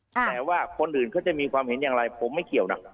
แต่ว่าคนอื่นเขาจะมีความเห็นอย่างไรผมไม่เกี่ยวนะ